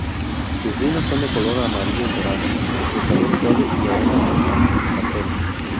Sus vinos son de color amarillo dorado, de sabor suave y aroma a moscatel.